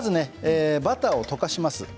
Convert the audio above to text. バターを溶かします。